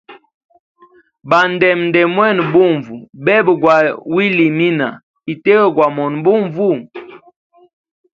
Bandeme nde mwene bunvu, bebe gwa wilimina ite gwa mona bunvu.